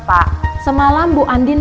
pak semalam bu andin